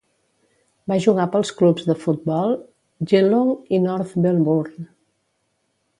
Va jugar pels clubs de futbol Geelong i North Melbourne.